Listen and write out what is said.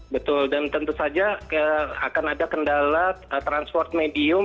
betul dan tentu saja akan ada kendala transport medium